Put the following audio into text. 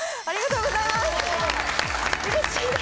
ありがとうございます。